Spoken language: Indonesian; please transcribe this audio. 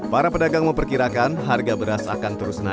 para pedagang memperkirakan harga beras akan terus naik